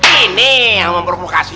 ini yang memprovokasi